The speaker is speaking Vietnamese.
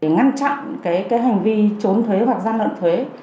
ngăn chặn hành vi trốn thuế hoặc gian lận thuế